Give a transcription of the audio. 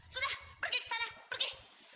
sudah pergi kesana pergi